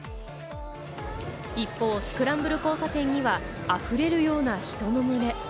一方、スクランブル交差点には、あふれるような人の群れ。